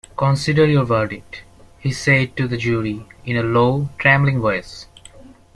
‘Consider your verdict,’ he said to the jury, in a low, trembling voice.